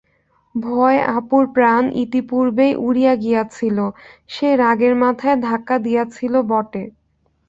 ভয়ে অপুর প্রাণ ইতিপূর্বেই উড়িয়া গিয়াছিল, সে রাগের মাথায় ধাক্কা দিয়াছিল বটে।